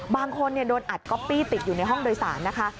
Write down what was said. บางคนโดนอัดก๊อปปี้ติดอยู่ในห้องโดยสารนะคะ